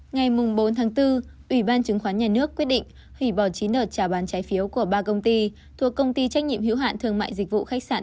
ngày bốn tháng bốn ủy ban chứng khoán nhà nước quyết định hủy bỏ chín đợt trả bán trái phiếu của ba công ty thuộc công ty trách nhiệm hiếu hạn thương mại dịch vụ khách sạn